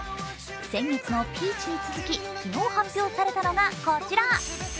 先月のピーチに続き、昨日発表されたのがこちら。